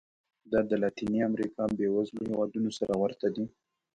دا د لاتینې امریکا بېوزلو هېوادونو سره ورته دي.